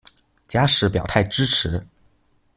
假使表態支持